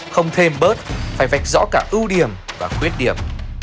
không thêm bớt phải vạch rõ cả ưu điểm và khuyết điểm